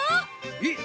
えっ？